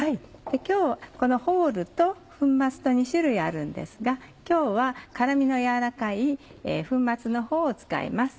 今日はこのホールと粉末と２種類あるんですが今日は辛みのやわらかい粉末のほうを使います。